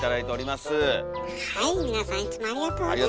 皆さんいつもありがとうございます！